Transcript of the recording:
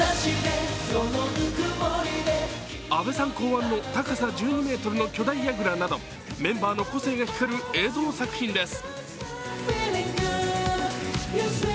阿部さん考案の、高さ１２ｍの巨大やぐらなどメンバーの個性が光る映像作品です。